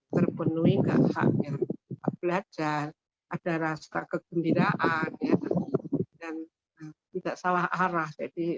terpenuhi hak hak yang belajar ada rasa kegembiraan dan tidak salah arah